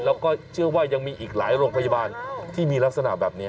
แล้วก็เชื่อว่ายังมีอีกหลายโรงพยาบาลที่มีลักษณะแบบนี้